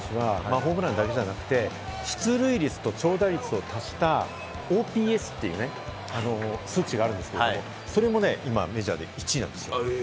大谷選手は出塁率と長打率を足したＯＰＳという数値があるんですけれど、それも今、メジャーで１位なんですよ。